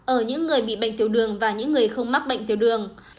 ở những người bị bệnh tiểu đường và những người không mắc bệnh tiểu đường